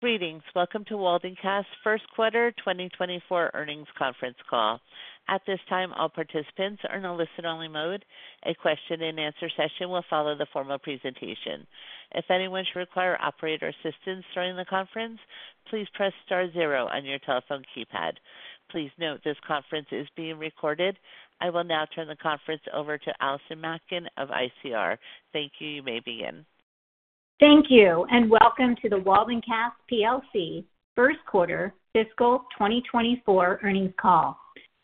Greetings, welcome to Waldencast's first quarter 2024 earnings conference call. At this time, all participants are in a listen-only mode. A question-and-answer session will follow the formal presentation. If anyone should require operator assistance during the conference, please press star 0 on your telephone keypad. Please note, this conference is being recorded. I will now turn the conference over to Allison Malkin of ICR. Thank you. You may begin. Thank you, and welcome to the Waldencast plc first quarter fiscal 2024 earnings call.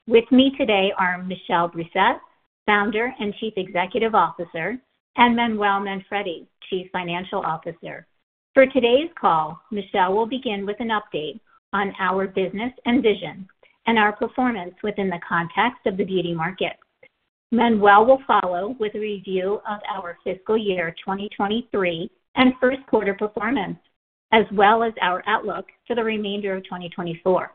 With me today are Michel Brousset, Founder and Chief Executive Officer, and Manuel Manfredi, Chief Financial Officer. For today's call, Michel will begin with an update on our business and vision and our performance within the context of the beauty market. Manuel will follow with a review of our fiscal year 2023 and first quarter performance, as well as our outlook for the remainder of 2024.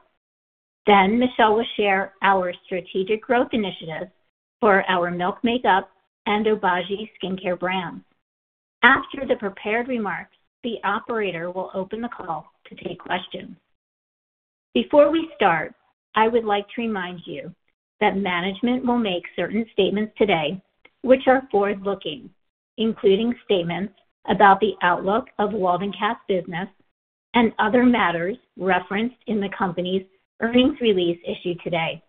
Then Michel will share our strategic growth initiatives for our Milk Makeup and Obagi Skincare brands. After the prepared remarks, the operator will open the call to take questions. Before we start, I would like to remind you that management will make certain statements today which are forward-looking, including statements about the outlook of Waldencast business and other matters referenced in the company's earnings release issued today.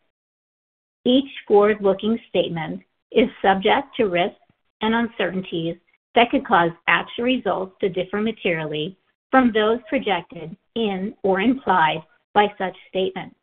Each forward-looking statement is subject to risks and uncertainties that could cause actual results to differ materially from those projected in or implied by such statements.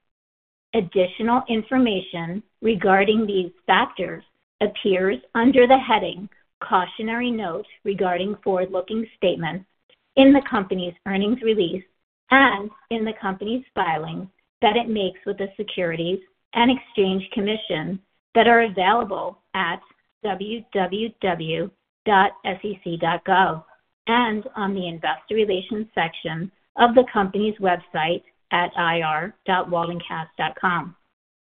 Additional information regarding these factors appears under the heading "Cautionary Note Regarding Forward-Looking Statements" in the company's earnings release and in the company's filings that it makes with the Securities and Exchange Commission that are available at www.sec.gov, and on the investor relations section of the company's website at ir.waldencast.com.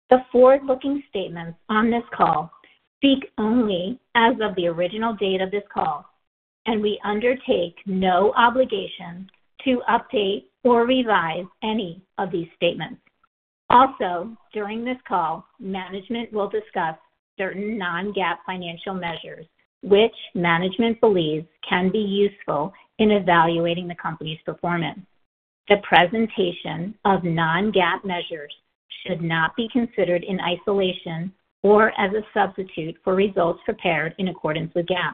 The forward-looking statements on this call speak only as of the original date of this call, and we undertake no obligation to update or revise any of these statements. Also, during this call, management will discuss certain Non-GAAP financial measures which management believes can be useful in evaluating the company's performance. The presentation of Non-GAAP measures should not be considered in isolation or as a substitute for results prepared in accordance with GAAP.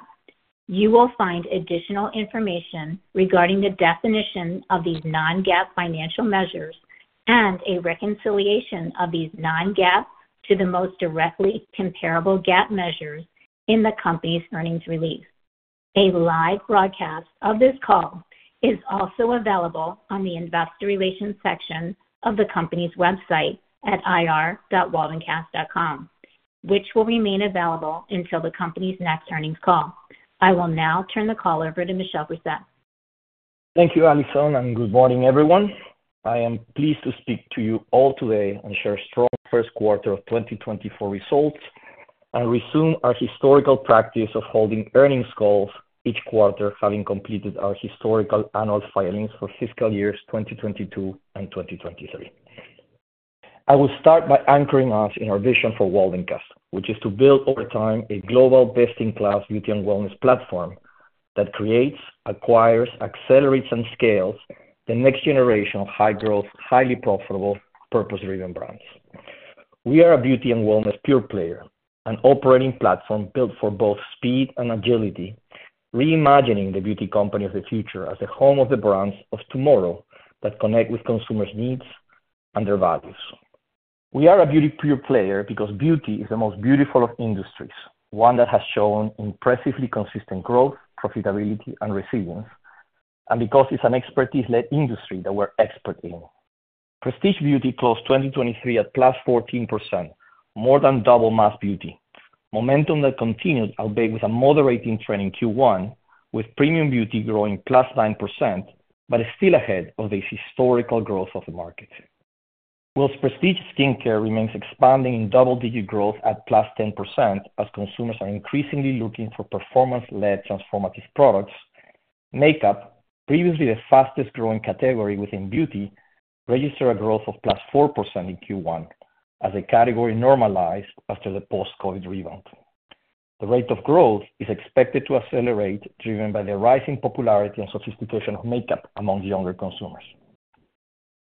You will find additional information regarding the definition of these Non-GAAP financial measures and a reconciliation of these Non-GAAP to the most directly comparable GAAP measures in the company's earnings release. A live broadcast of this call is also available on the investor relations section of the company's website at ir.waldencast.com, which will remain available until the company's next earnings call. I will now turn the call over to Michel Brousset. Thank you, Allison, and good morning, everyone. I am pleased to speak to you all today and share strong first quarter of 2024 results and resume our historical practice of holding earnings calls each quarter, having completed our historical annual filings for fiscal years 2022 and 2023. I will start by anchoring us in our vision for Waldencast, which is to build, over time, a global best-in-class beauty and wellness platform that creates, acquires, accelerates, and scales the next generation of high-growth, highly profitable, purpose-driven brands. We are a beauty and wellness pure player, an operating platform built for both speed and agility, reimagining the beauty company of the future as the home of the brands of tomorrow that connect with consumers' needs and their values. We are a beauty pure player because beauty is the most beautiful of industries, one that has shown impressively consistent growth, profitability, and resilience, and because it's an expertise-led industry that we're expert in. prestige beauty closed 2023 at +14%, more than double mass beauty. Momentum that continued, albeit with a moderating trend in Q1, with premium beauty growing +9%, but is still ahead of the historical growth of the market. While prestige skincare remains expanding in double-digit growth at +10%, as consumers are increasingly looking for performance-led transformative products, makeup, previously the fastest growing category within beauty, registered a growth of +4% in Q1 as a category normalized after the post-COVID rebound. The rate of growth is expected to accelerate, driven by the rising popularity and sophistication of makeup among younger consumers.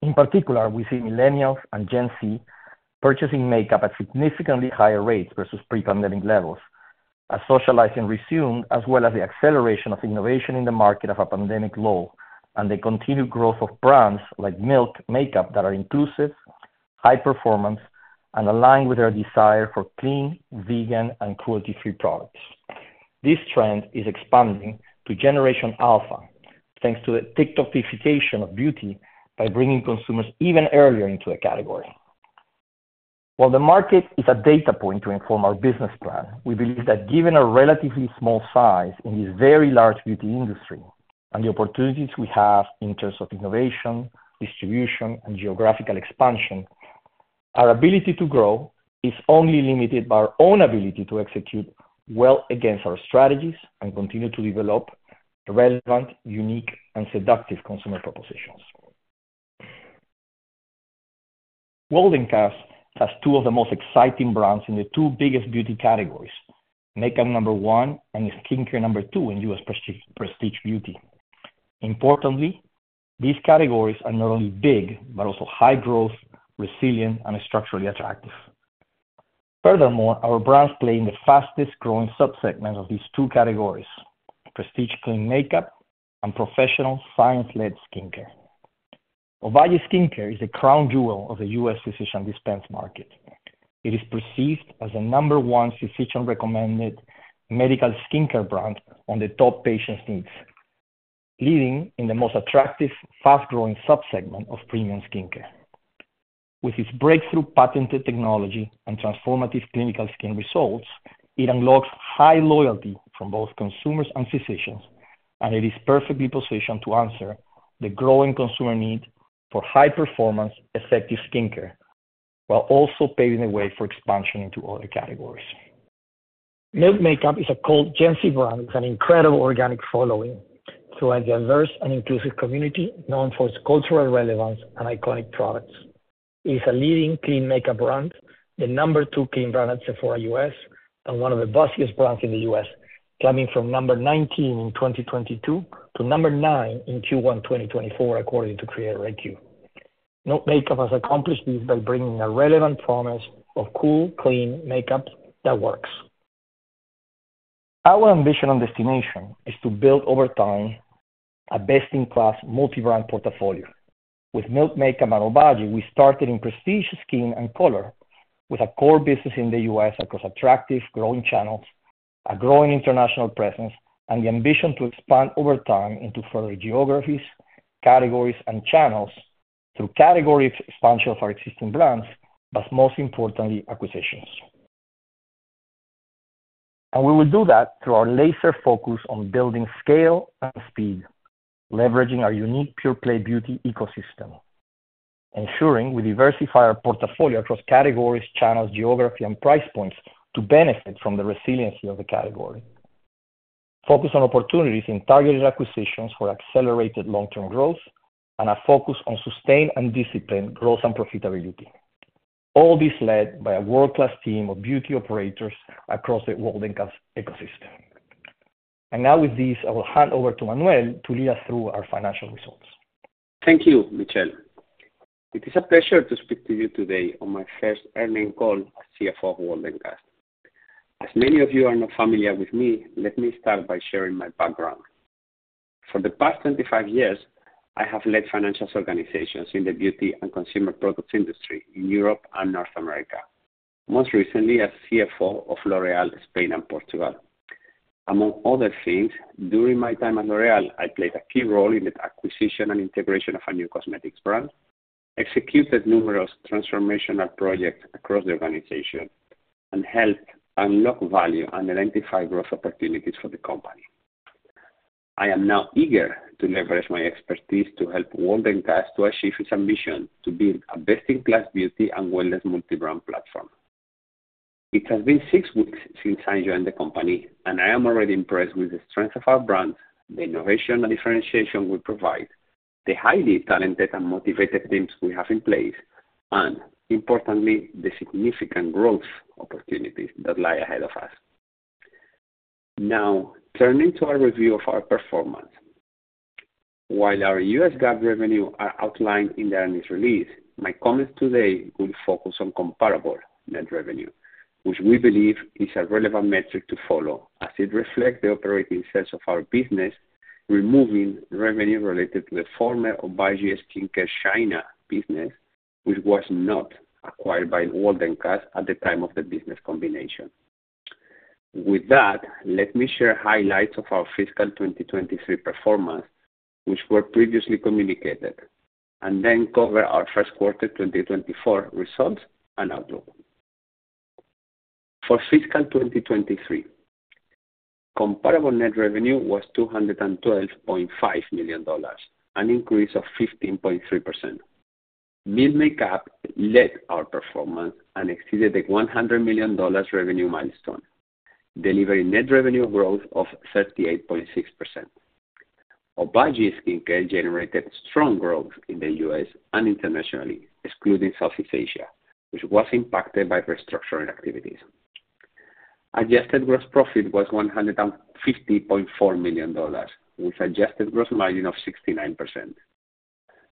In particular, we see Millennials and Gen Z purchasing makeup at significantly higher rates versus pre-pandemic levels, as socializing resumed, as well as the acceleration of innovation in the market of a pandemic low and the continued growth of brands like Milk Makeup that are inclusive, high performance, and aligned with their desire for clean, vegan, and cruelty-free products. This trend is expanding to Generation Alpha, thanks to the TikTokification of beauty by bringing consumers even earlier into a category. While the market is a data point to inform our business plan, we believe that given a relatively small size in this very large beauty industry and the opportunities we have in terms of innovation, distribution, and geographical expansion... Our ability to grow is only limited by our own ability to execute well against our strategies and continue to develop relevant, unique, and seductive consumer propositions. Waldencast has two of the most exciting brands in the two biggest beauty categories, makeup number one and skincare number two in U.S. prestige beauty. Importantly, these categories are not only big, but also high growth, resilient, and structurally attractive. Furthermore, our brands play in the fastest-growing subsegments of these two categories, prestige clean makeup and professional science-led skincare. Obagi Skincare is a crown jewel of the U.S. physician-dispensed market. It is perceived as the number one physician-recommended medical skincare brand on the top patients' needs, leading in the most attractive, fast-growing subsegment of premium skincare. With its breakthrough patented technology and transformative clinical skin results, it unlocks high loyalty from both consumers and physicians, and it is perfectly positioned to answer the growing consumer need for high-performance, effective skincare, while also paving the way for expansion into other categories. Milk Makeup is a cult Gen Z brand with an incredible organic following through a diverse and inclusive community known for its cultural relevance and iconic products. It's a leading clean makeup brand, the number 2 clean brand at Sephora US, and one of the busiest brands in the US, coming from number 19 in 2022 to number 9 in Q1 2024, according to CreatorIQ. Milk Makeup has accomplished this by bringing a relevant promise of cool, clean makeup that works. Our ambition and destination is to build, over time, a best-in-class multibrand portfolio. With Milk Makeup and Obagi, we started in prestige, skin, and color, with a core business in the US across attractive growing channels, a growing international presence, and the ambition to expand over time into further geographies, categories, and channels through category expansion of our existing brands, but most importantly, acquisitions. We will do that through our laser focus on building scale and speed, leveraging our unique pure-play beauty ecosystem, ensuring we diversify our portfolio across categories, channels, geography, and price points to benefit from the resiliency of the category. Focus on opportunities in targeted acquisitions for accelerated long-term growth, and a focus on sustained and disciplined growth and profitability. All this led by a world-class team of beauty operators across the Waldencast ecosystem. And now, with this, I will hand over to Manuel to lead us through our financial results. Thank you, Michel. It is a pleasure to speak to you today on my first earnings call as CFO of Waldencast. As many of you are not familiar with me, let me start by sharing my background. For the past 25 years, I have led financial organizations in the beauty and consumer products industry in Europe and North America, most recently as CFO of L'Oréal, Spain and Portugal. Among other things, during my time at L'Oréal, I played a key role in the acquisition and integration of a new cosmetics brand, executed numerous transformational projects across the organization, and helped unlock value and identify growth opportunities for the company. I am now eager to leverage my expertise to help Waldencast to achieve its ambition to build a best-in-class beauty and wellness multibrand platform. It has been six weeks since I joined the company, and I am already impressed with the strength of our brand, the innovation and differentiation we provide, the highly talented and motivated teams we have in place, and importantly, the significant growth opportunities that lie ahead of us. Now, turning to our review of our performance. While our U.S. GAAP revenue are outlined in the earnings release, my comments today will focus on comparable net revenue, which we believe is a relevant metric to follow as it reflects the operating subset of our business, removing revenue related to the former Obagi Skincare China business, which was not acquired by Waldencast at the time of the business combination. With that, let me share highlights of our fiscal 2023 performance, which were previously communicated, and then cover our first quarter 2024 results and outlook. For fiscal 2023, comparable net revenue was $212.5 million, an increase of 15.3%. Milk Makeup led our performance and exceeded the $100 million revenue milestone, delivering net revenue growth of 38.6%. Obagi Skincare generated strong growth in the US and internationally, excluding Southeast Asia, which was impacted by restructuring activities. Adjusted gross profit was $150.4 million, with adjusted gross margin of 69%.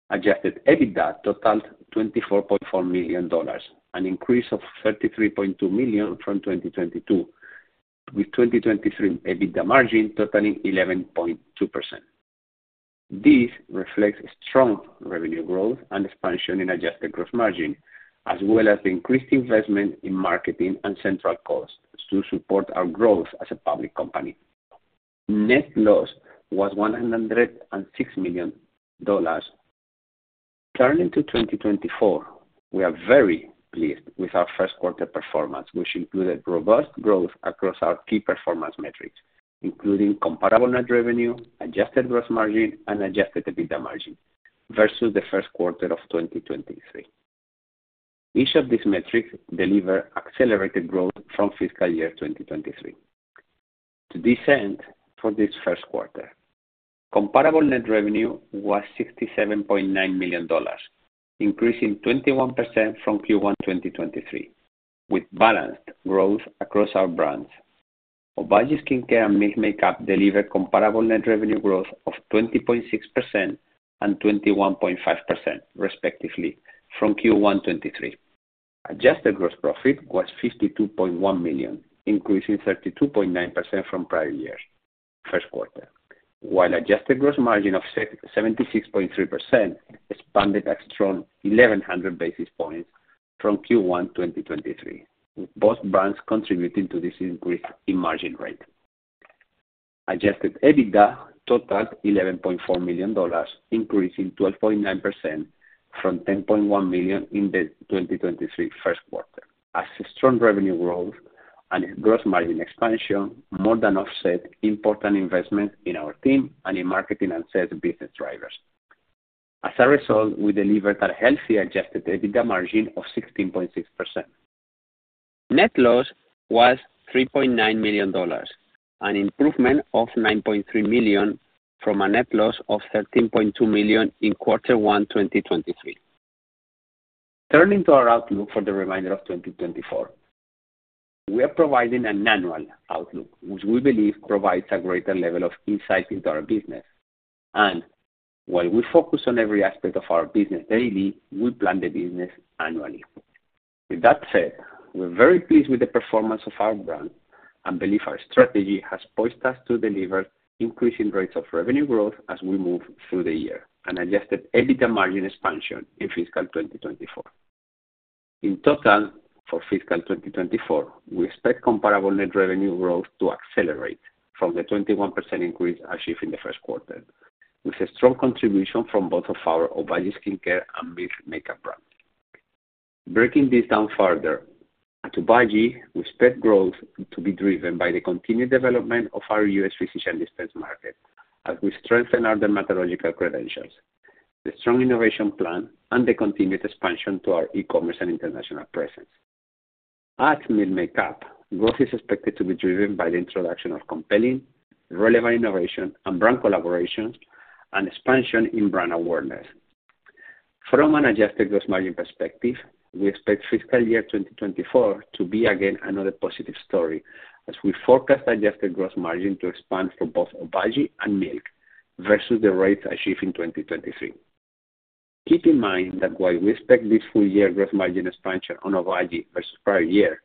Adjusted EBITDA totaled $24.4 million, an increase of $33.2 million from 2022, with 2023 EBITDA margin totaling 11.2%. This reflects strong revenue growth and expansion in adjusted gross margin, as well as the increased investment in marketing and central costs to support our growth as a public company. Net loss was $106 million. Turning to 2024, we are very pleased with our first quarter performance, which included robust growth across our key performance metrics, including comparable net revenue, adjusted gross margin, and adjusted EBITDA margin versus the first quarter of 2023. Each of these metrics deliver accelerated growth from fiscal year 2023. To this end, for this first quarter, comparable net revenue was $67.9 million, increasing 21% from Q1 2023, with balanced growth across our brands. Obagi Skincare and Milk Makeup delivered comparable net revenue growth of 20.6% and 21.5%, respectively, from Q1 2023. Adjusted gross profit was $52.1 million, increasing 32.9% from prior years' first quarter, while adjusted gross margin of 76.3% expanded a strong 1,100 basis points from Q1 2023, with both brands contributing to this increase in margin rate. Adjusted EBITDA totaled $11.4 million, increasing 12.9% from $10.1 million in the 2023 first quarter, as strong revenue growth and gross margin expansion more than offset important investments in our team and in marketing and sales business drivers. As a result, we delivered a healthy adjusted EBITDA margin of 16.6%. Net loss was $3.9 million, an improvement of $9.3 million from a net loss of $13.2 million in Q1 2023. Turning to our outlook for the remainder of 2024, we are providing an annual outlook, which we believe provides a greater level of insight into our business. And while we focus on every aspect of our business daily, we plan the business annually. With that said, we're very pleased with the performance of our brand, and believe our strategy has poised us to deliver increasing rates of revenue growth as we move through the year, an Adjusted EBITDA margin expansion in fiscal 2024. In total, for fiscal 2024, we expect comparable net revenue growth to accelerate from the 21% increase achieved in the first quarter, with a strong contribution from both of our Obagi Skincare and Milk Makeup brands. Breaking this down further, at Obagi, we expect growth to be driven by the continued development of our U.S. physician-dispensed market as we strengthen our dermatological credentials, the strong innovation plan, and the continued expansion to our e-commerce and international presence. At Milk Makeup, growth is expected to be driven by the introduction of compelling, relevant innovation and brand collaborations and expansion in brand awareness. From an adjusted gross margin perspective, we expect fiscal year 2024 to be again another positive story, as we forecast adjusted gross margin to expand for both Obagi and Milk versus the rates achieved in 2023. Keep in mind that while we expect this full year gross margin expansion on Obagi versus prior year,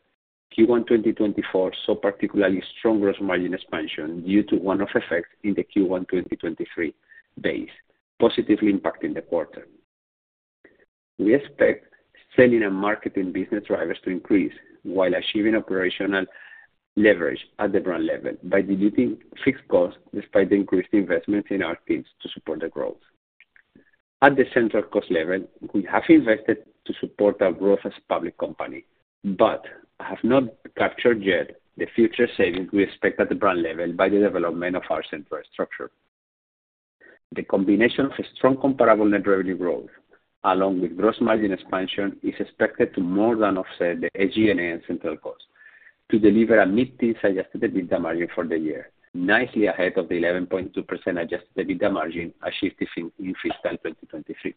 Q1 2024 saw particularly strong gross margin expansion due to one-off effects in the Q1 2023 base, positively impacting the quarter. We expect selling and marketing business drivers to increase while achieving operational leverage at the brand level by deleting fixed costs despite the increased investment in our teams to support the growth. At the central cost level, we have invested to support our growth as a public company, but have not captured yet the future savings we expect at the brand level by the development of our central structure. The combination of a strong comparable net revenue growth, along with gross margin expansion, is expected to more than offset the SG&A and central cost to deliver a mid-teen adjusted EBITDA margin for the year, nicely ahead of the 11.2% adjusted EBITDA margin achieved in fiscal 2023.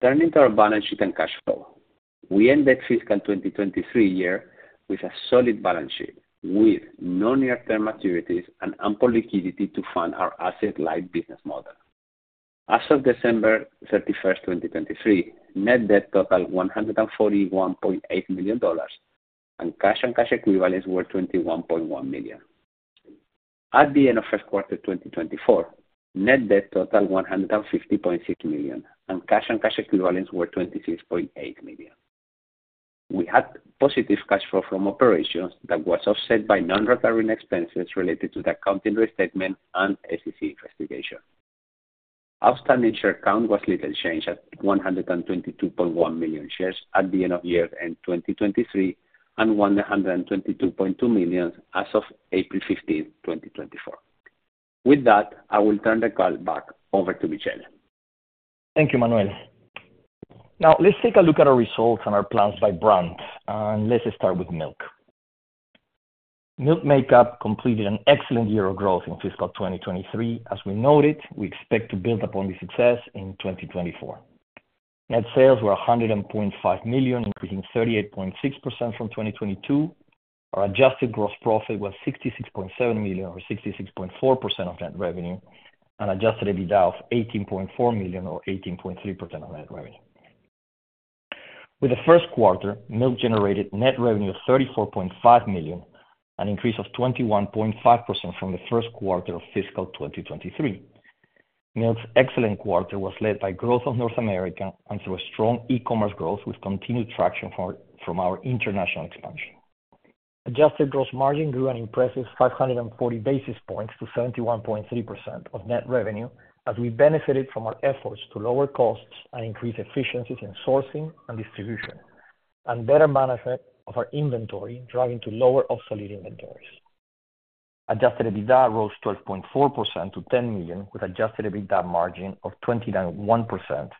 Turning to our balance sheet and cash flow. We ended fiscal 2023 year with a solid balance sheet, with no near-term maturities and ample liquidity to fund our asset-light business model. As of December 31, 2023, net debt totaled $141.8 million, and cash and cash equivalents were $21.1 million. At the end of first quarter 2024, net debt totaled $150.6 million, and cash and cash equivalents were $26.8 million. We had positive cash flow from operations that was offset by non-recurring expenses related to the accounting restatement and SEC investigation. Outstanding share count was little changed at 122.1 million shares at the end of year, end 2023, and 122.2 million as of April 15, 2024. With that, I will turn the call back over to Michel. Thank you, Manuel. Now, let's take a look at our results and our plans by brand, and let's start with Milk. Milk Makeup completed an excellent year of growth in fiscal 2023. As we noted, we expect to build upon this success in 2024. Net sales were $100.5 million, increasing 38.6% from 2022. Our adjusted gross profit was $66.7 million, or 66.4% of net revenue, and Adjusted EBITDA of $18.4 million, or 18.3% of net revenue. In the first quarter, Milk generated net revenue of $34.5 million, an increase of 21.5% from the first quarter of fiscal 2023. Milk's excellent quarter was led by growth in North America and through strong e-commerce growth, with continued traction from our international expansion. Adjusted gross margin grew an impressive 500 basis points to 71.3% of net revenue, as we benefited from our efforts to lower costs and increase efficiencies in sourcing and distribution, and better management of our inventory, driving to lower obsolete inventories. Adjusted EBITDA rose 12.4% to $10 million, with adjusted EBITDA margin of 29.1%,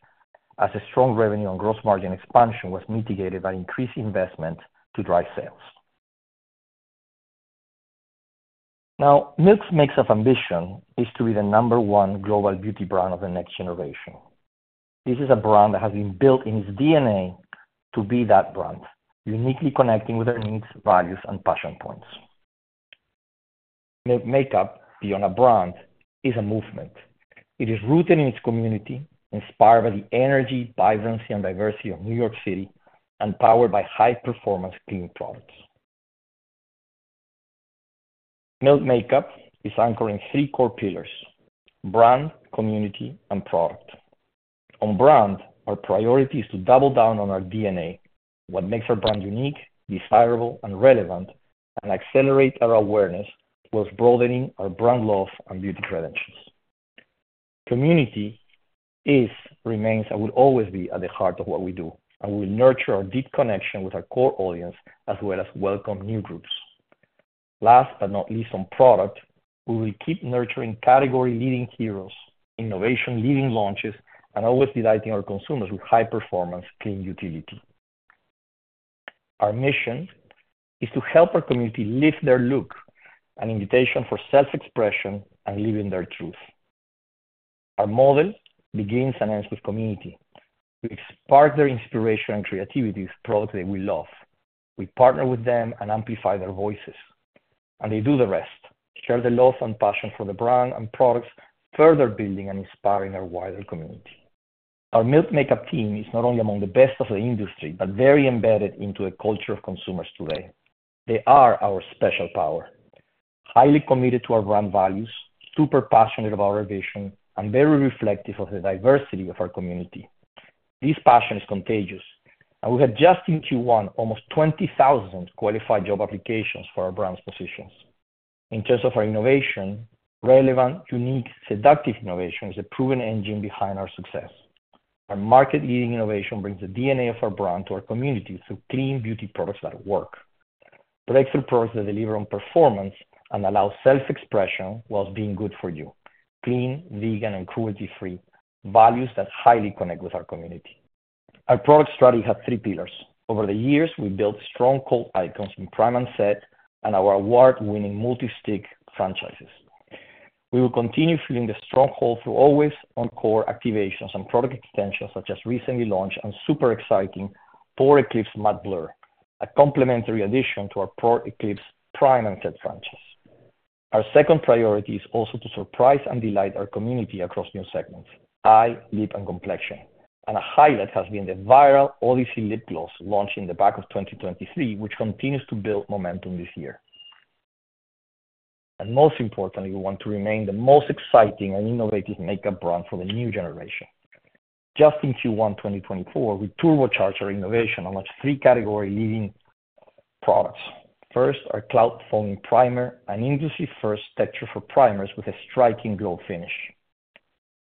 as a strong revenue on gross margin expansion was mitigated by increased investment to drive sales. Now, Milk Makeup's mission is to be the number one global beauty brand of the next generation. This is a brand that has been built in its DNA to be that brand, uniquely connecting with their needs, values, and passion points. Milk Makeup, beyond a brand, is a movement. It is rooted in its community, inspired by the energy, vibrancy, and diversity of New York City, and powered by high-performance clean products. Milk Makeup is anchoring three core pillars: brand, community, and product. On brand, our priority is to double down on our DNA, what makes our brand unique, desirable and relevant, and accelerate our awareness towards broadening our brand love and beauty credentials. Community is, remains, and will always be at the heart of what we do, and we nurture our deep connection with our core audience, as well as welcome new groups. Last but not least, on product, we will keep nurturing category-leading heroes, innovation, leading launches, and always delighting our consumers with high performance, clean utility. Our mission is to help our community live their look, an invitation for self-expression and living their truth. Our model begins and ends with community. We spark their inspiration and creativity with products they will love. We partner with them and amplify their voices, and they do the rest, share the love and passion for the brand and products, further building and inspiring our wider community. Our Milk Makeup team is not only among the best of the industry, but very embedded into the culture of consumers today. They are our special power, highly committed to our brand values, super passionate about our vision, and very reflective of the diversity of our community. This passion is contagious, and we had just in Q1, almost 20,000 qualified job applications for our brand's positions. In terms of our innovation, relevant, unique, seductive innovation is a proven engine behind our success. Our market-leading innovation brings the DNA of our brand to our community through clean beauty products that work. Produced products that deliver on performance and allow self-expression while being good for you. Clean, vegan, and cruelty-free, values that highly connect with our community. Our product strategy has three pillars. Over the years, we've built strong cult icons in Prime and Set, and our award-winning multi-stick franchises. We will continue filling the stronghold through always on core activations and product extensions, such as recently launched and super exciting Pore Eclipse Matte Blur, a complementary addition to our Pore Eclipse Prime and Set franchise. Our second priority is also to surprise and delight our community across new segments, eye, lip, and complexion. A highlight has been the viral Odyssey Lip Gloss launched in the back half of 2023, which continues to build momentum this year. Most importantly, we want to remain the most exciting and innovative makeup brand for the new generation. Just in Q1 2024, we turbocharged our innovation, and launched three category-leading products. First, our Cloud Glow Priming Foam, an industry-first texture for primers with a striking glow finish.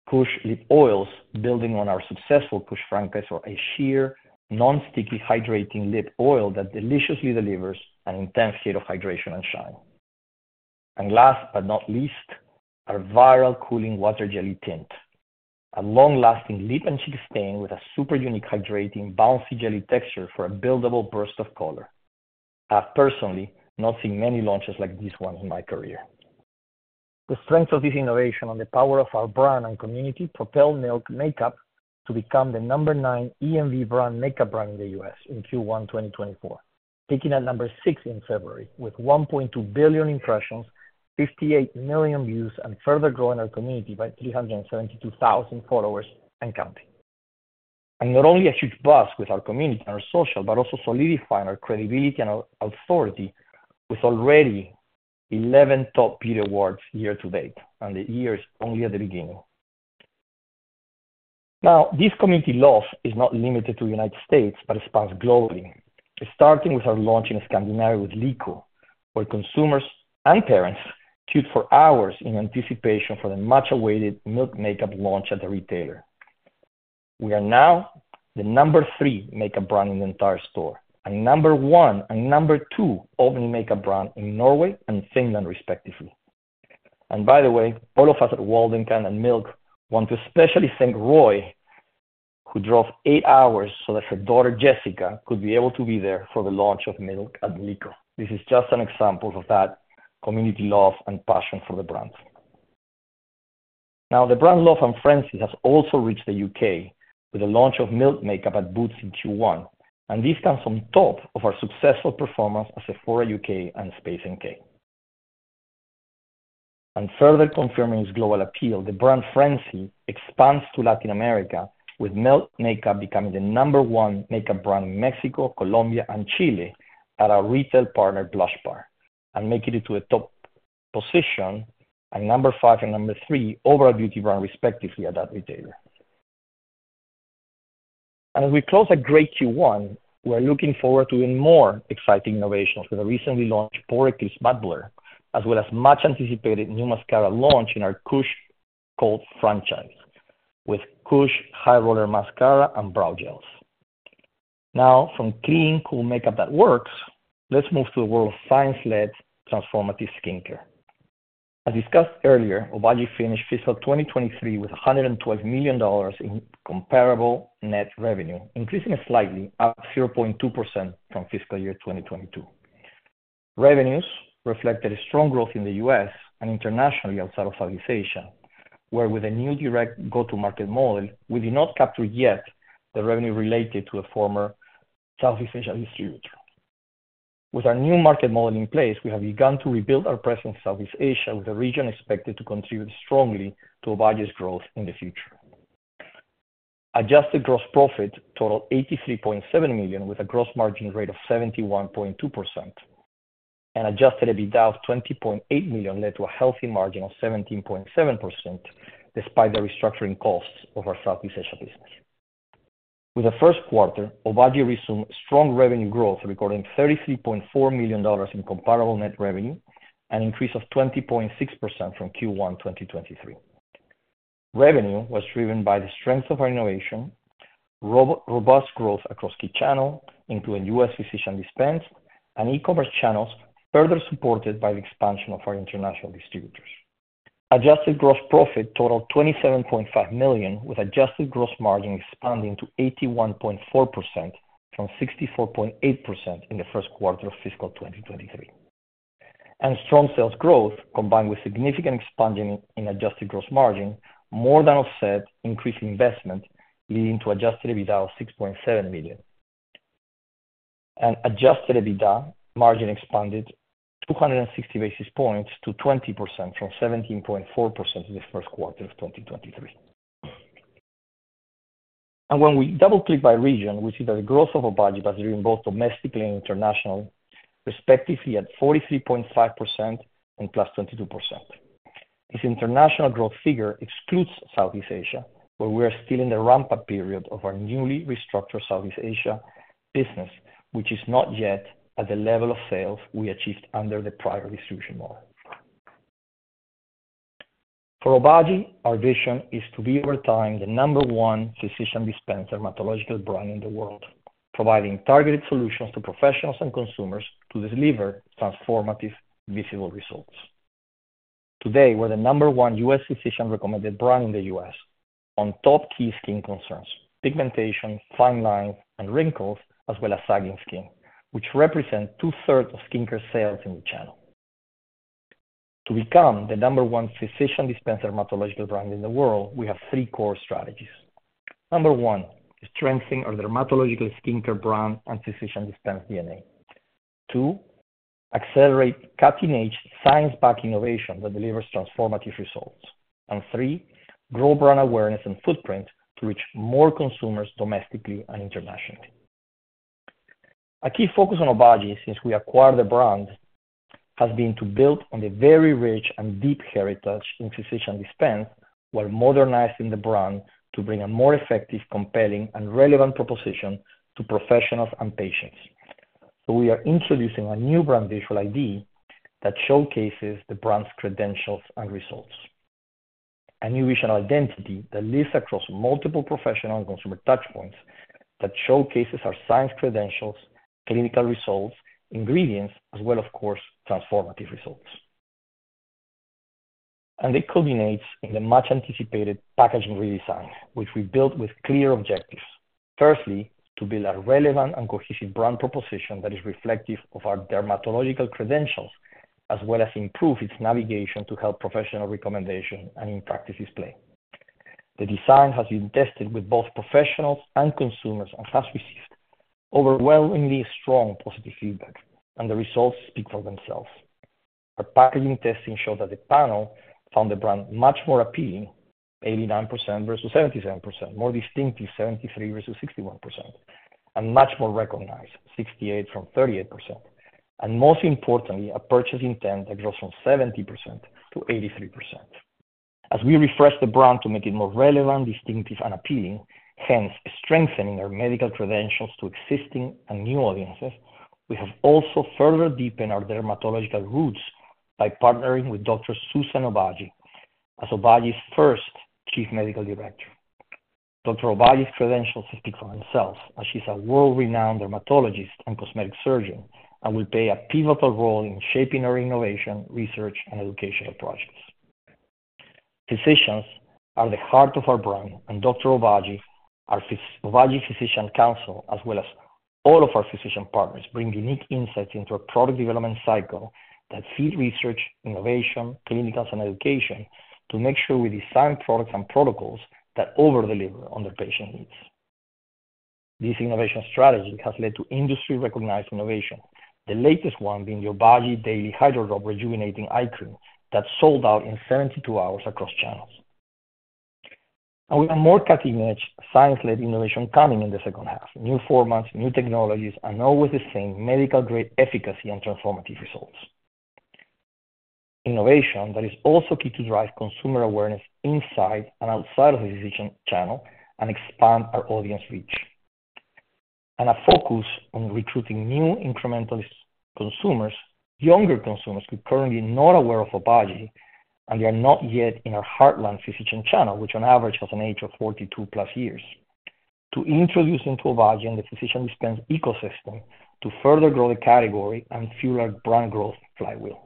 KUSH Lip Oils, building on our successful KUSH franchise, are a sheer, non-sticky, hydrating lip oil that deliciously delivers an intense hit of hydration and shine. And last but not least, our viral Cooling Water Jelly Tint, a long-lasting lip and cheek stain with a super unique, hydrating, bouncy jelly texture for a buildable burst of color. I have personally not seen many launches like this one in my career. The strength of this innovation and the power of our brand and community propelled Milk Makeup to become the number 9 EMV brand, makeup brand in the U.S. in Q1 2024, peaking at number 6 in February, with 1.2 billion impressions, 58 million views, and further growing our community by 372,000 followers and counting. And not only a huge buzz with our community and our social, but also solidifying our credibility and our authority with already 11 top beauty awards year to date, and the year is only at the beginning. Now, this community love is not limited to the United States, but expands globally. Starting with our launch in Scandinavia, with Lyko, where consumers and parents queued for hours in anticipation for the much-awaited Milk Makeup launch at the retailer. We are now the number 3 makeup brand in the entire store, and number 1 and number 2 opening makeup brand in Norway and Finland, respectively. By the way, all of us at Waldencast and Milk want to specially thank Roy, who drove 8 hours so that her daughter, Jessica, could be able to be there for the launch of Milk at Lyko. This is just an example of that community love and passion for the brand. Now, the brand love and frenzy has also reached the UK with the launch of Milk Makeup at Boots in Q1, and this comes on top of our successful performance at Sephora UK and Space NK. Further confirming its global appeal, the brand frenzy expands to Latin America, with Milk Makeup becoming the number 1 makeup brand in Mexico, Colombia, and Chile at our retail partner, Blush-Bar, and making it to a top position at number 5 and number 3 overall beauty brand, respectively, at that retailer. As we close a great Q1, we're looking forward to even more exciting innovations with the recently launched Pore Eclipse Matte Blur, as well as much-anticipated new mascara launch in our KUSH Cult franchise, with KUSH High Roll Mascara and Brow Gels. Now, from clean, cool makeup that works, let's move to the world of science-led, transformative skincare. As discussed earlier, Obagi finished fiscal 2023 with $112 million in comparable net revenue, increasing slightly at 0.2% from fiscal year 2022. Revenues reflected a strong growth in the U.S. and internationally outside of Southeast Asia, where with a new direct go-to-market model, we did not capture yet the revenue related to a former Southeast Asia distributor. With our new market model in place, we have begun to rebuild our presence in Southeast Asia, with the region expected to contribute strongly to Obagi's growth in the future. Adjusted gross profit totaled $83.7 million, with a gross margin rate of 71.2%, and adjusted EBITDA of $20.8 million led to a healthy margin of 17.7%, despite the restructuring costs of our Southeast Asia business. With the first quarter, Obagi resumed strong revenue growth, recording $33.4 million in comparable net revenue, an increase of 20.6% from Q1 2023. Revenue was driven by the strength of our innovation, robust growth across key channels, including US physician-dispensed and e-commerce channels, further supported by the expansion of our international distributors. Adjusted gross profit totaled $27.5 million, with adjusted gross margin expanding to 81.4% from 64.8% in the first quarter of fiscal 2023. Strong sales growth, combined with significant expansion in adjusted gross margin, more than offset increased investment, leading to adjusted EBITDA of $6.7 million. Adjusted EBITDA margin expanded 260 basis points to 20% from 17.4% in the first quarter of 2023. When we double-click by region, we see that the growth of Obagi has driven both domestically and internationally, respectively, at 43.5% and +22%. This international growth figure excludes Southeast Asia, where we are still in the ramp-up period of our newly restructured Southeast Asia business, which is not yet at the level of sales we achieved under the prior distribution model. For Obagi, our vision is to be, over time, the number one physician-dispensed dermatological brand in the world, providing targeted solutions to professionals and consumers to deliver transformative, visible results. Today, we're the number one U.S. physician-recommended brand in the U.S. on top key skin concerns: pigmentation, fine lines, and wrinkles, as well as sagging skin, which represent two-thirds of skincare sales in the channel. To become the number one physician-dispensed dermatological brand in the world, we have three core strategies. Number one, strengthening our dermatological skincare brand and physician dispense DNA. Two, accelerate cutting-edge, science-backed innovation that delivers transformative results. And three, grow brand awareness and footprint to reach more consumers domestically and internationally. A key focus on Obagi, since we acquired the brand, has been to build on the very rich and deep heritage in physician-dispensed, while modernizing the brand to bring a more effective, compelling, and relevant proposition to professionals and patients. So we are introducing a new brand visual ID that showcases the brand's credentials and results. A new visual identity that lives across multiple professional and consumer touch points, that showcases our science credentials, clinical results, ingredients, as well as, of course, transformative results. And it culminates in the much-anticipated packaging redesign, which we built with clear objectives. Firstly, to build a relevant and cohesive brand proposition that is reflective of our dermatological credentials, as well as improve its navigation to help professional recommendation and in-practice display. The design has been tested with both professionals and consumers, and has received overwhelmingly strong positive feedback, and the results speak for themselves. The packaging testing showed that the panel found the brand much more appealing, 89% versus 77%. More distinctly, 73% versus 61%, and much more recognized, 68% from 38%. Most importantly, a purchase intent that grows from 70% to 83%. As we refresh the brand to make it more relevant, distinctive, and appealing, hence strengthening our medical credentials to existing and new audiences, we have also further deepened our dermatological roots by partnering with Dr. Suzan Obagi as Obagi's first Chief Medical Director. Dr. Obagi's credentials speak for themselves, as she's a world-renowned dermatologist and cosmetic surgeon, and will play a pivotal role in shaping our innovation, research, and educational projects. Physicians are the heart of our brand, and Dr. Obagi, our Obagi Physician Council, as well as all of our physician partners, bring unique insights into our product development cycle that feed research, innovation, clinical, and education, to make sure we design products and protocols that over-deliver on the patient needs. This innovation strategy has led to industry-recognized innovation, the latest one being the Obagi Daily Hydro-Drops Rejuvenating Eye Gel Cream, that sold out in 72 hours across channels. And we have more cutting-edge, science-led innovation coming in the second half, new formats, new technologies, and always the same medical-grade efficacy and transformative results. Innovation that is also key to drive consumer awareness inside and outside of the physician channel and expand our audience reach. And a focus on recruiting new incremental consumers, younger consumers, who are currently not aware of Obagi. They are not yet in our heartland physician channel, which on average has an age of 42+ years. To introduce into Obagi and the physician-dispensed ecosystem to further grow the category and fuel our brand growth flywheel.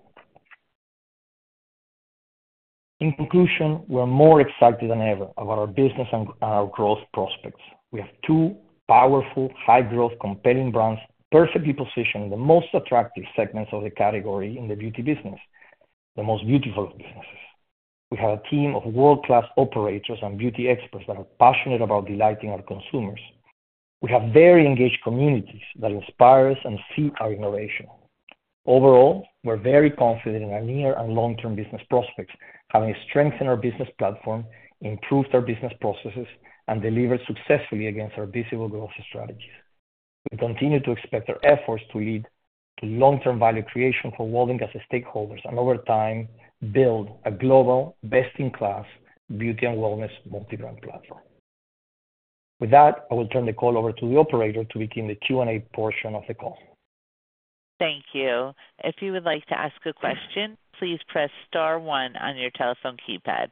In conclusion, we're more excited than ever about our business and, and our growth prospects. We have two powerful, high-growth, compelling brands, perfectly positioned in the most attractive segments of the category in the beauty business, the most beautiful of businesses. We have a team of world-class operators and beauty experts that are passionate about delighting our consumers. We have very engaged communities that inspire us and see our innovation. Overall, we're very confident in our near and long-term business prospects, having strengthened our business platform, improved our business processes, and delivered successfully against our visible growth strategies. We continue to expect our efforts to lead to long-term value creation for Waldencast's stakeholders, and over time, build a global, best-in-class beauty and wellness multi-brand platform. With that, I will turn the call over to the operator to begin the Q&A portion of the call. Thank you. If you would like to ask a question, please press star 1 on your telephone keypad.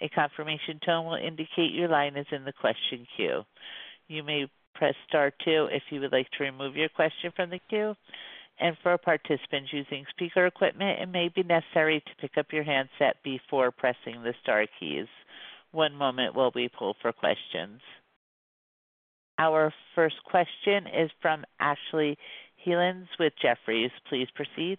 A confirmation tone will indicate your line is in the question queue. You may press star 2 if you would like to remove your question from the queue, and for participants using speaker equipment, it may be necessary to pick up your handset before pressing the star keys. One moment while we pull for questions. Our first question is from Ashley Helgans with Jefferies. Please proceed.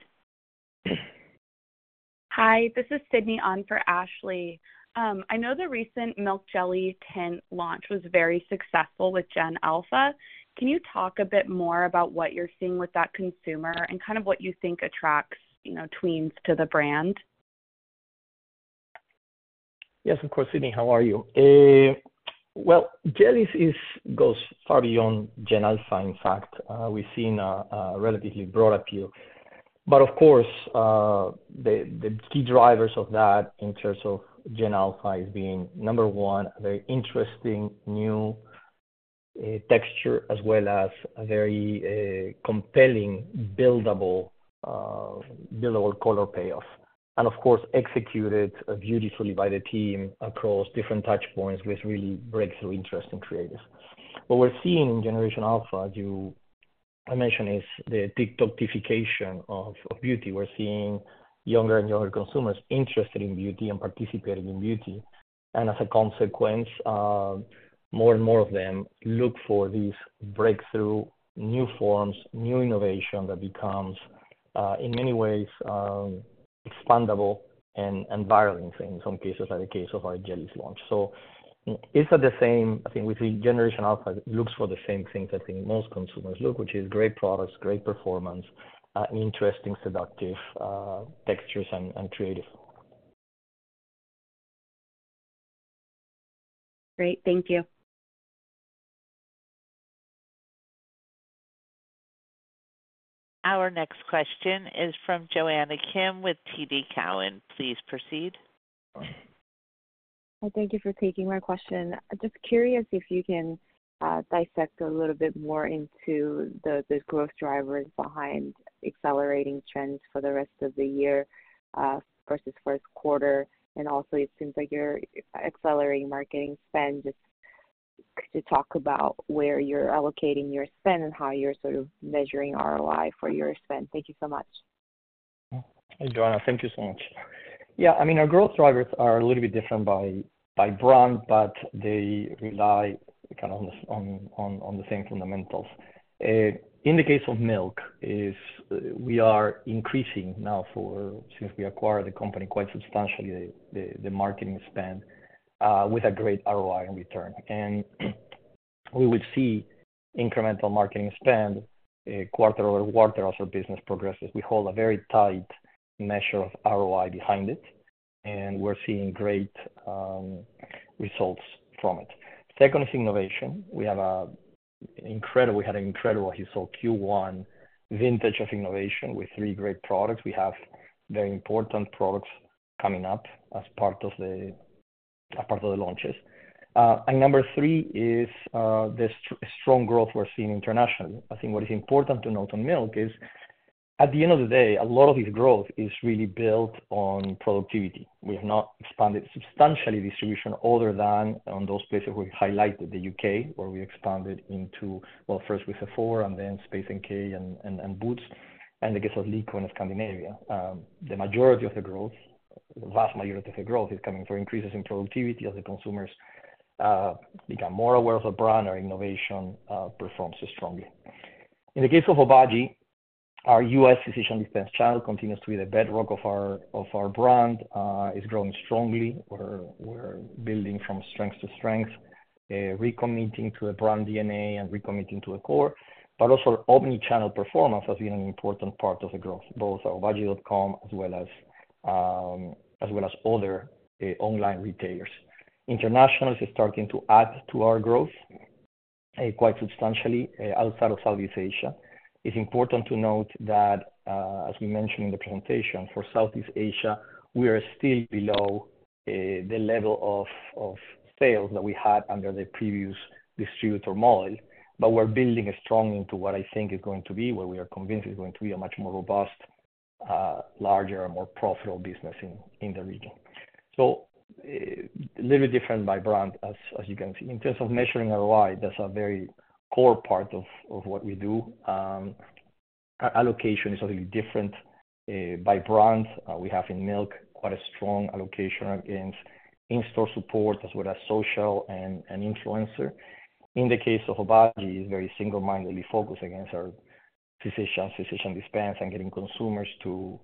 Hi, this is Sydney, on for Ashley. I know the recent Milk Jelly Tint launch was very successful with Gen Alpha. Can you talk a bit more about what you're seeing with that consumer and kind of what you think attracts, you know, tweens to the brand? Yes, of course, Sydney. How are you? Well, jellies is, goes far beyond Gen Alpha. In fact, we've seen a relatively broad appeal. But of course, the key drivers of that in terms of Gen Alpha is being, number one, a very interesting new texture, as well as a very compelling, buildable color payoff. And of course, executed beautifully by the team across different touch points with really breakthrough, interesting creatives. What we're seeing in Generation Alpha, as you mentioned, is the TikTokification of beauty. We're seeing younger and younger consumers interested in beauty and participating in beauty. And as a consequence, more and more of them look for these breakthrough, new forms, new innovation that becomes, in many ways, expandable and viral in some cases, like the case of our jellies launch. It's at the same, I think we see Generation Alpha looks for the same things I think most consumers look, which is great products, great performance, interesting, seductive, textures and creative. Great. Thank you. Our next question is from Jonna Kim, with TD Cowen. Please proceed. Thank you for taking my question. Just curious if you can dissect a little bit more into the growth drivers behind accelerating trends for the rest of the year versus first quarter. Also, it seems like you're accelerating marketing spend, just to talk about where you're allocating your spend and how you're sort of measuring ROI for your spend? Thank you so much. Hey, Jonna, thank you so much. Yeah, I mean, our growth drivers are a little bit different by brand, but they rely kind of on the same fundamentals. In the case of Milk, we are increasing now, since we acquired the company, quite substantially, the marketing spend with a great ROI in return. And we would see incremental marketing spend quarter over quarter as our business progresses. We hold a very tight measure of ROI behind it, and we're seeing great results from it. Second is innovation. We had an incredible, you saw Q1 vintage of innovation with three great products. We have very important products coming up as part of the launches. And number 3 is the strong growth we're seeing internationally. I think what is important to note on Milk is, at the end of the day, a lot of this growth is really built on productivity. We have not expanded substantially distribution other than on those places we highlighted, the U.K., where we expanded into. Well, first with Sephora and then Space NK and Boots, and I guess, Lyko in Scandinavia. The majority of the growth, the vast majority of the growth, is coming from increases in productivity as the consumers become more aware of the brand or innovation performs strongly. In the case of Obagi, our U.S. physician-dispensed channel continues to be the bedrock of our, of our brand is growing strongly. We're, we're building from strength to strength, recommitting to a brand DNA and recommitting to a core. But also, omni-channel performance has been an important part of the growth, both our Obagi.com as well as other online retailers. Internationally, it's starting to add to our growth quite substantially outside of Southeast Asia. It's important to note that, as we mentioned in the presentation, for Southeast Asia, we are still below the level of sales that we had under the previous distributor model, but we're building a strong into what I think is going to be, what we are convinced is going to be a much more robust, larger and more profitable business in the region. So, a little bit different by brand, as you can see. In terms of measuring ROI, that's a very core part of what we do. Allocation is something different by brand. We have in Milk quite a strong allocation against in-store support, as well as social and influencer. In the case of Obagi, it's very single-mindedly focused against our physicians, physician dispense, and getting consumers to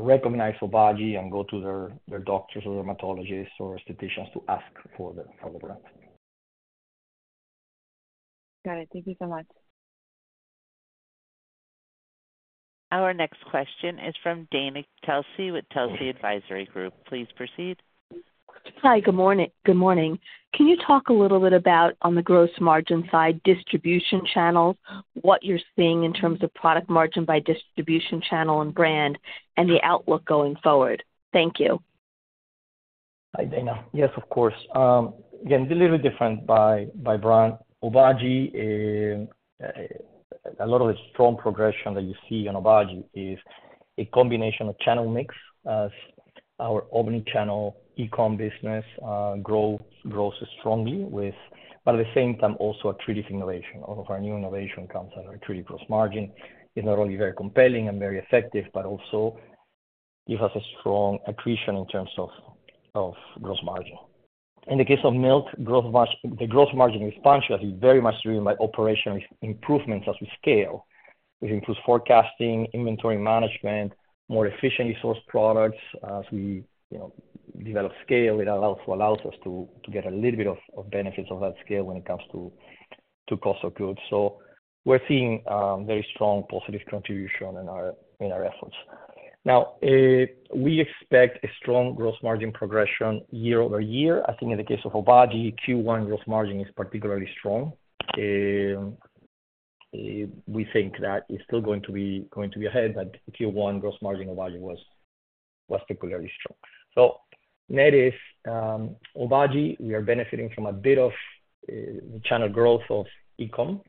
recognize Obagi and go to their doctors or dermatologists or estheticians to ask for the brand. Got it. Thank you so much. Our next question is from Dana Telsey with Telsey Advisory Group. Please proceed. Hi, good morning, good morning. Can you talk a little bit about, on the gross margin side, distribution channels, what you're seeing in terms of product margin by distribution channel and brand, and the outlook going forward? Thank you. Hi, Dana. Yes, of course. Again, it's a little different by brand. Obagi, a lot of the strong progression that you see on Obagi is a combination of channel mix as our omni-channel e-com business grows strongly with... but at the same time, also a great innovation. All of our new innovation comes at our greater gross margin. It's not only very compelling and very effective, but also give us a strong accretion in terms of gross margin. In the case of Milk, gross margin, the gross margin expansion is very much driven by operational improvements as we scale, which includes forecasting, inventory management, more efficiently sourced products. As we, develop scale, it allows us to get a little bit of benefits of that scale when it comes to cost of goods. So we're seeing very strong positive contribution in our efforts. Now we expect a strong gross margin progression year-over-year. I think in the case of Obagi, Q1 gross margin is particularly strong. We think that it's still going to be ahead, but Q1 gross margin of Obagi was particularly strong. So net is Obagi, we are benefiting from a bit of channel growth of e-com.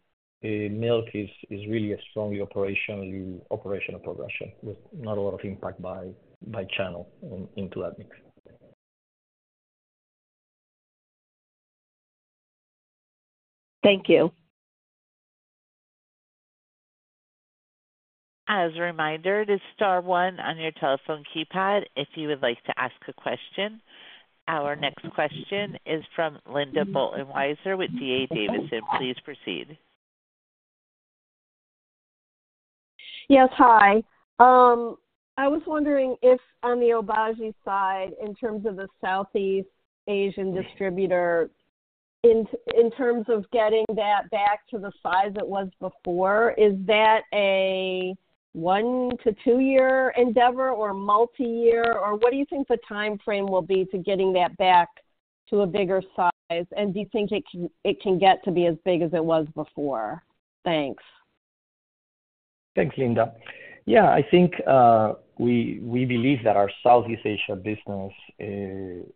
Milk is really a strong operational progression with not a lot of impact by channel into that mix. Thank you. As a reminder, it is star 1 on your telephone keypad if you would like to ask a question. Our next question is from Linda Bolton Weiser D.A. Davidson, Please proceed. Yes, hi. I was wondering if on the Obagi side, in terms of the Southeast Asian distributor, in terms of getting that back to the size it was before, is that a 1-2-year endeavor or multi-year, or what do you think the timeframe will be to getting that back to a bigger size? And do you think it can, it can get to be as big as it was before? Thanks. Thanks, Linda. Yeah, I think we believe that our Southeast Asia business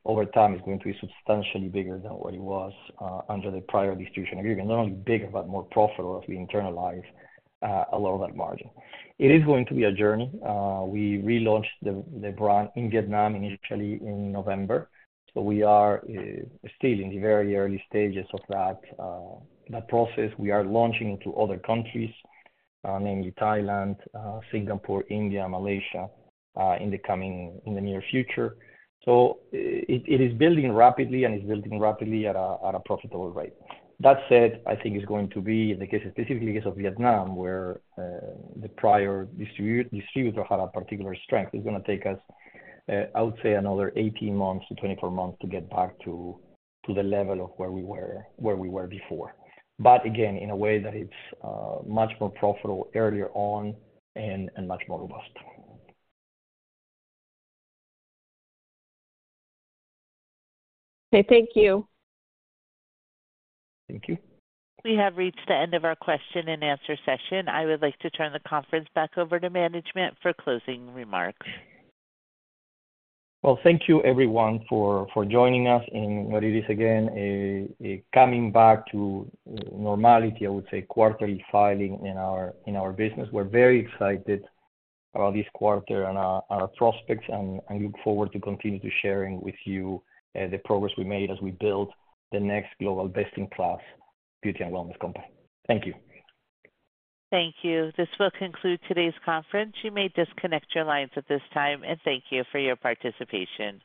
over time is going to be substantially bigger than what it was under the prior distribution agreement. Not only bigger, but more profitable as we internalize a lot of that margin. It is going to be a journey. We relaunched the brand in Vietnam, initially in November, so we are still in the very early stages of that process. We are launching into other countries, namely Thailand, Singapore, India, Malaysia, in the coming, in the near future. So it is building rapidly and is building rapidly at a profitable rate. That said, I think it's going to be, in the case of, specifically the case of Vietnam, where the prior distributor had a particular strength, it's gonna take us, I would say another 18-24 months to get back to, to the level of where we were, where we were before. But again, in a way that it's much more profitable earlier on and much more robust. Okay, thank you. Thank you. We have reached the end of our question and answer session. I would like to turn the conference back over to management for closing remarks. Well, thank you everyone for joining us in what it is again, a coming back to normality, I would say, quarterly filing in our business. We're very excited about this quarter and our prospects, and I look forward to continue to sharing with you the progress we made as we build the next global best-in-class beauty and wellness company. Thank you. Thank you. This will conclude today's conference. You may disconnect your lines at this time, and thank you for your participation.